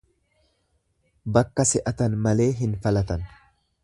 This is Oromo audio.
Bakka se'atan malee hin falatan.